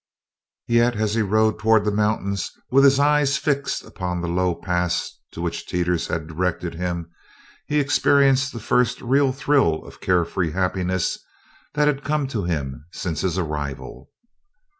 Yet as he rode towards the mountains with his eyes fixed upon the low pass to which Teeters had directed him, he experienced the first real thrill of carefree happiness that had come to him since his arrival.